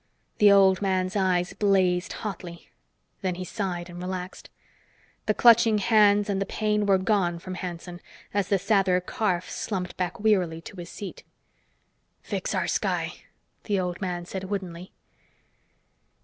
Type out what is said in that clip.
The old man's eyes blazed hotly. Then he sighed and relaxed. The clutching hands and the pain were gone from Hanson as the Sather Karf slumped back wearily to his seat. "Fix our sky," the old man said woodenly.